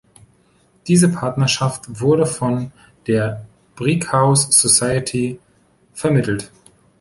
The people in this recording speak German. Diese Partnerschaft wurde von der Brighouse-Society vermittelt.